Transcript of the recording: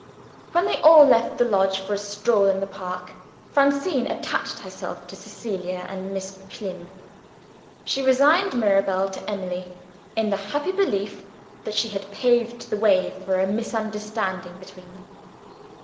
When they all left the lodge for a stroll in the park, Francine attached herself to Cecilia and Miss Plym. She resigned Mirabel to Emily in the happy belief that she had paved the way for a misunderstanding between them.